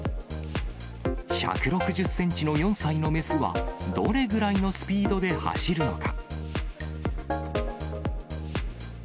１６０センチの４歳の雌は、どれぐらいのスピードで走るのか。